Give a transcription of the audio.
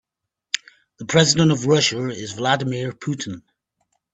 The president of Russia is Vladimir Putin.